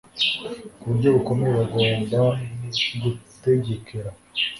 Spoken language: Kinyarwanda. ku buryo bukomeye Bagomba gutegekera